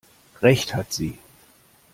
Recht hat sie!